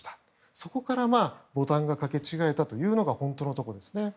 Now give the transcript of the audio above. そこからボタンがかけ違えたというのが本当のところですね。